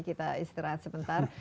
kita istirahat sebentar